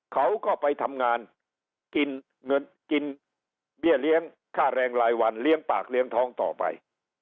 เขาก็ไปทำงานกินเงินกินเบี้ยเลี้ยงค่าแรงรายวันเลี้ยงปากเลี้ยงท้องต่อไป